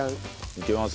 いけます？